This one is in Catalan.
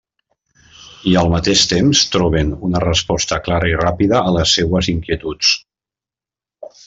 I al mateix temps, troben una resposta clara i ràpida a les seues inquietuds.